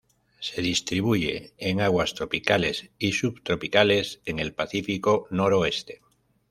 Se distribuye en aguas tropicales y subtropicales, en el Pacífico noroeste.